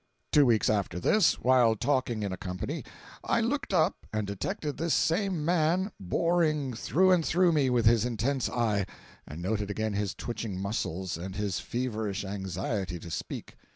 Two weeks after this, while talking in a company, I looked up and detected this same man boring through and through me with his intense eye, and noted again his twitching muscles and his feverish anxiety to speak.